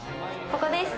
ここです。